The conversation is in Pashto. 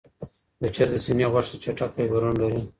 د چرګ د سینې غوښه چټک فایبرونه لري.